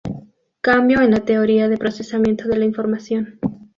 Cambio en la teoría de Procesamiento de la Información.